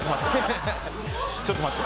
ちょっと待って。